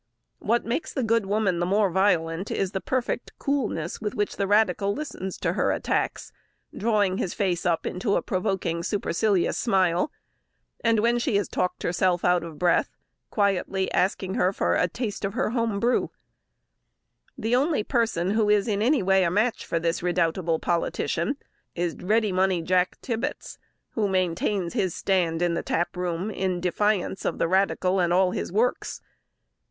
What makes the good woman the more violent, is the perfect coolness with which the radical listens to her attacks, drawing his face up into a provoking supercilious smile; and when she has talked herself out of breath, quietly asking her for a taste of her home brewed. [Illustration: The Landlady] The only person who is in any way a match for this redoubtable politician is Ready Money Jack Tibbets, who maintains his stand in the tap room, in defiance of the radical and all his works.